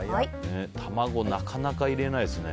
卵、なかなか入れないですね。